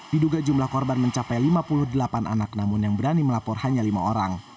diduga jumlah korban mencapai lima puluh delapan anak namun yang berani melapor hanya lima orang